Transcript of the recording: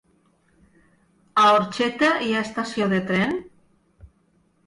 A Orxeta hi ha estació de tren?